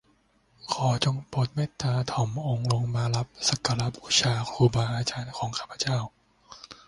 ขอจงโปรดเมตตาถ่อมองค์ลงมารับสักการะบูชาครูบาอาจารย์ของข้าพเจ้า